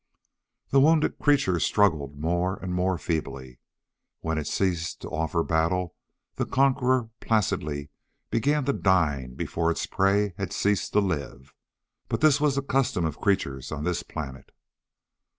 The wounded creature struggled more and more feebly. When it ceased to offer battle, the conqueror placidly began to dine before its prey had ceased to live. But this was the custom of creatures on this planet.